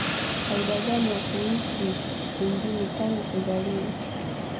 faida gani ya kuishi wengine tangu kuzaliwe